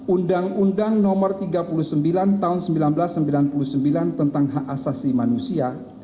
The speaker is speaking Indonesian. undang undang nomor tiga puluh sembilan tahun seribu sembilan ratus sembilan puluh sembilan tentang hak asasi manusia